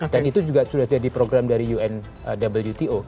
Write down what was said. itu juga sudah jadi program dari unwto